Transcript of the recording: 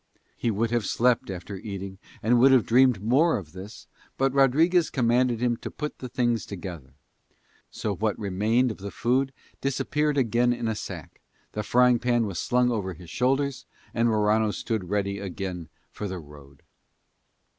He would have slept after eating and would have dreamed more of this, but Rodriguez commanded him to put the things together: so what remained of the food disappeared again in a sack, the frying pan was slung over his shoulders, and Morano stood ready again for the road.